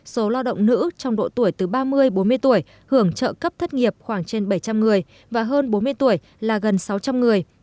số lao động nữ trong độ tuổi từ ba mươi bốn mươi tuổi hưởng trợ cấp thất nghiệp khoảng trên bảy trăm linh người và hơn bốn mươi tuổi là gần sáu trăm linh người